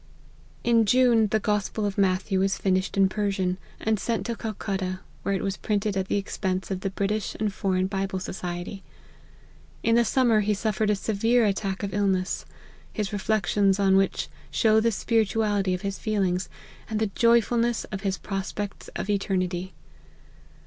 In June, the gospel of Matthew was finished in Persian, and sent to Calcutta, where it was printed at the expense of the British and Foreign Bible Society. In the summer he suffered a severe ittack of illness, his reflections on which show the spirituality of his feelings, and the joy fulness jf his prospects of eternity.